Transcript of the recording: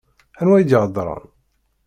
Anwa i d-iheddṛen?